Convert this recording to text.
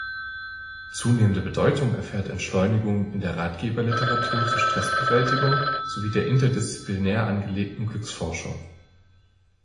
Zunehmende Bedeutung erfährt Entschleunigung in der Ratgeberliteratur zur Stressbewältigung sowie der interdisziplinär angelegten Glücksforschung.